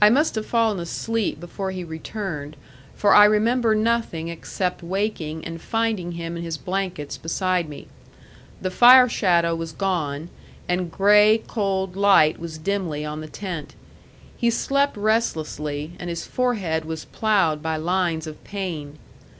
I must have fallen asleep before he returned, for I remember nothing except waking and finding him in his blankets beside me. The fire shadow was gone, and gray, cold light was dimly on the tent. He slept restlessly, and his forehead was ploughed by lines of pain.